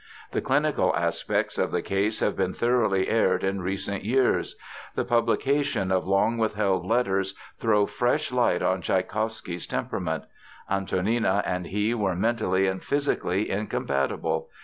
The clinical aspects of the case have been thoroughly aired in recent years. The publication of long withheld letters throw fresh light on Tschaikowsky's temperament. Antonina and he were mentally and physically incompatible.